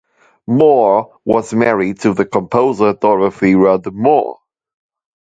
Moore was married to the composer Dorothy Rudd Moore.